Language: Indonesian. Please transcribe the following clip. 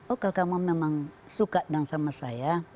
oh kalau kamu memang suka dengan saya